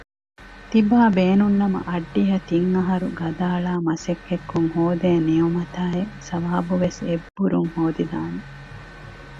ތިބާބޭނުންނަމަ އައްޑިހަ ތިން އަހަރު ގަދައަޅާ މަސައްކަތްކޮށް ހޯދޭ ނިޢުމަތާއި ޘަވާބުވެސް އެއްބުރުން ހޯދިދާނެ